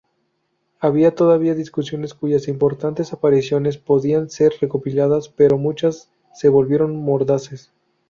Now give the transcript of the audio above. Había todavía discusiones cuyas importantes apreciaciones podían ser recopiladas, pero muchas se volvieron mordaces.